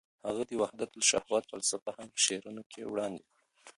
هغه د وحدت الشهود فلسفه هم په شعرونو کې وړاندې کړه.